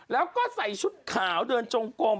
แล้วก็ใส่ชุดขาวเดินจงกลม